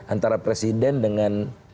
antara presiden dengan tim komunikasi